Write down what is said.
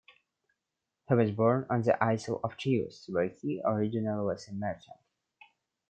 He was born on the isle of Chios, where he originally was a merchant.